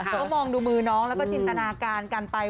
ก็มองดูมือน้องแล้วก็จินตนาการกันไป